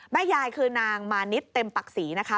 ยายคือนางมานิดเต็มปักศรีนะคะ